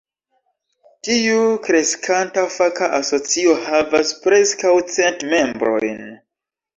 Tiu kreskanta faka asocio havas preskaŭ cent membrojn.